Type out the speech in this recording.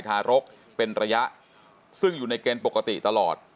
ทารกเป็นระยะซึ่งอยู่ในเกณฑ์ปกติตลอด